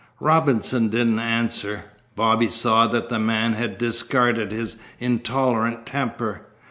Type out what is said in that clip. Robinson didn't answer. Bobby saw that the man had discarded his intolerant temper.